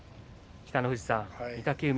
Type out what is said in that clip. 北の富士さん御嶽海